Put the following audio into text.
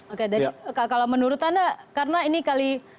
oke jadi kalau menurut anda karena ini kali